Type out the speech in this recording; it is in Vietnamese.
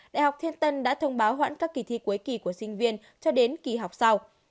đại học thiên tân đã thông báo hoãn các kỳ thi cuối kỳ của sinh viên cho đến kỳ họp sau